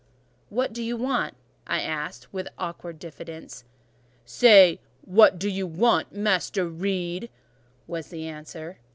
"What do you want?" I asked, with awkward diffidence. "Say, 'What do you want, Master Reed?'" was the answer.